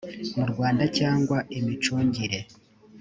mu rwanda cyangwa imicungire